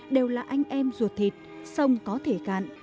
đều là anh em ruột thịt sông có thể cạn